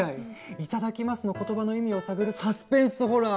「いただきます」の言葉の意味を探るサスペンスホラー！